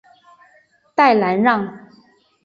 代兰让。